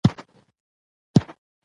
دا سیمه د درې په بڼه د خوات څخه